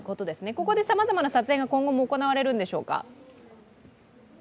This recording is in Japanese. ここでさまざまな撮影が今後も行われるんでしょうか？